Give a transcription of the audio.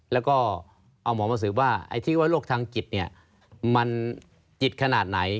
แล้วก็เอาหมอมาสืบว่าไอ้ที่ว่าโรคทางจิตเนี่ยมันจิตขนาดไหน